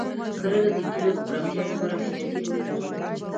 کرنه د کلیو د پراختیا لپاره حیاتي رول لري.